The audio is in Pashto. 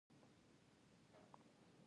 د توت دانه د څه لپاره وکاروم؟